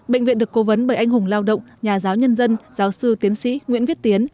bệnh viện được cố vấn bởi anh hùng lao động nhà giáo nhân dân giáo sư tiến sĩ nguyễn viết tiến